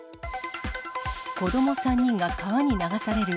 子ども３人が川に流される。